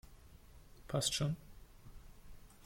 Passt schon!